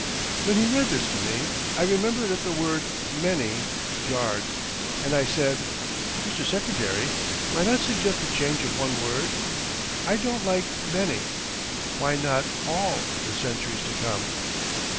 When he read this to me, I remember that the word "many" jarred, and I said: "Mr. Secretary, might I suggest the change of one word? I don't like 'many'; why not 'all' the centuries to come?"